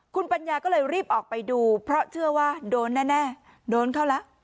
คุณปัญญาก็เลยรีบออกไปดูเพราะเชื่อว่าโดนแน่โดนเข้าแล้ว